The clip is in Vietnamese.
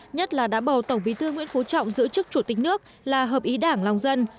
nhất là đã bầu tổng bí thư nguyễn phú trọng giữ chức chủ tịch nước là hợp ý đảng lòng dân